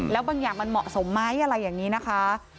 แล้วบางอย่างมันเหมาะสมไหมอะไรอย่างนี้นะคะ